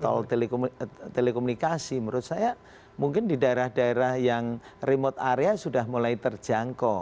tol telekomunikasi menurut saya mungkin di daerah daerah yang remote area sudah mulai terjangkau